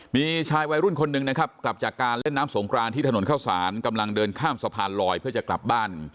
มีชายวัยรุ่นคนหนึ่งนะครับกลับจากการเล่นน้ำสงครานที่ถนนเข้าสารกำลังเดินข้ามสะพานลอยเพื่อจะกลับบ้าน